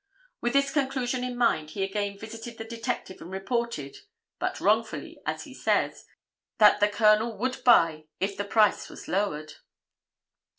With this conclusion in mind he again visited the detective and reported, (but wrongfully as he says) that the Colonel would buy if the price was lowered.